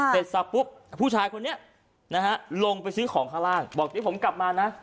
แต่ซับปุ๊บผู้ชายคนนี้ลงไปซื้อของข้างล่างบอกว่าผมกลับมานะ